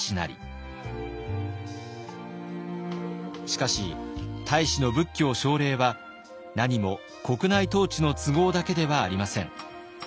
しかし太子の仏教奨励はなにも国内統治の都合だけではありません。